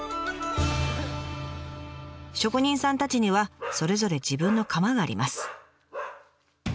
職人さんたちにはそれぞれ自分の窯があります。